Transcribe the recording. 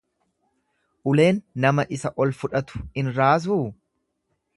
Uleen nama isa ol fudhatu in raasuu?